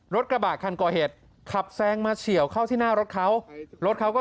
รถกระบะคันก่อเหตุขับแซงมาเฉียวเข้าที่หน้ารถเขารถเขาก็